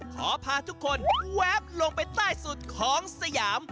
ขอพาทุกคนแวบลงไปใต้สุดของสยาม